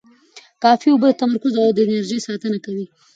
کافي اوبه د تمرکز او انرژۍ ساتنه کوي.